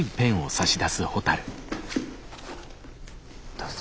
どうぞ。